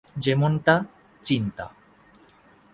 যেমনটা, চিন্তা।